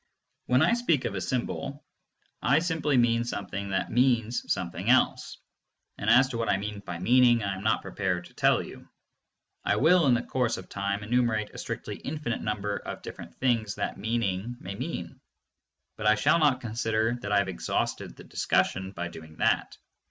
When I speak of a symbol I simply mean something that "means" some thing else, and as to what I mean by "meaning" I am not prepared to tell you. I will in the course of time enumerate a strictly infinite number of different things that "mean ing" may mean, but I shall not consider that I have ex hausted the discussion by doing that.